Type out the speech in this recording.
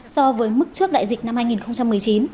so với mức trước đại dịch năm hai nghìn một mươi chín